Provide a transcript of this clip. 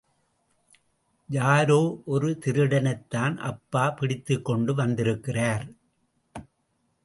யாரோ ஒரு திருடனைத்தான் அப்பா பிடித்துக் கொண்டு வந்திருக்கிறார்.